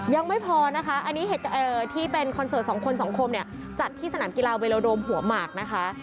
ยังไม่พอนะคะอันนี้ที่เป็นคอนเสิร์ตสองคนสองคมเนี่ยจัดที่สนามกีฬาเวโลโดมหัวหมากนะคะ